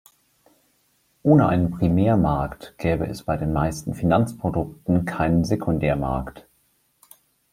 Ohne einen Primärmarkt gäbe es bei den meisten Finanzprodukten keinen Sekundärmarkt.